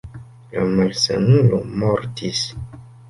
La malsanulo mortis.